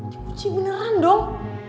dikunci beneran dong